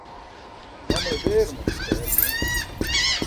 mamale beeruman rupaya biyen?